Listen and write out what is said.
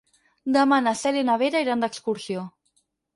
Demà na Cèlia i na Vera iran d'excursió.